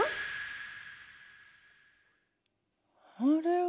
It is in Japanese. あれは。